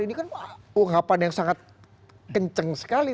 ini kan ungkapan yang sangat kenceng sekali